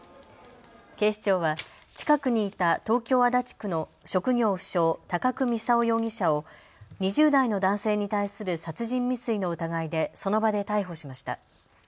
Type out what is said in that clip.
警視庁は近くにいた東京足立区の職業不詳、高久操容疑者を２０代の男性に対する殺人未遂の疑いでその場で逮捕しました。